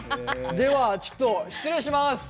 ではちょっと失礼します。